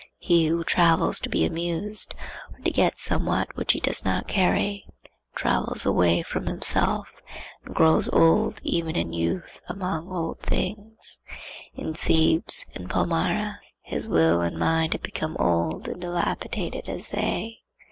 He who travels to be amused, or to get somewhat which he does not carry, travels away from himself, and grows old even in youth among old things. In Thebes, in Palmyra, his will and mind have become old and dilapidated as they.